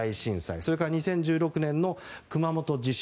それから２０１６年の熊本地震。